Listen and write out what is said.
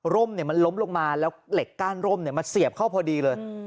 ่มมันล้มลงมาแล้วเหล็กก้านร่มมาเสียบเข้าพอดีเลย